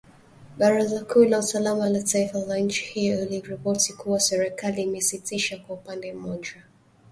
baraza kuu la usalama la taifa la nchi hiyo iliripoti kuwa serikali imesitisha kwa upande mmoja